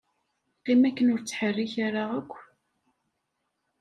Qqim akken ur ttḥerrik ara akk.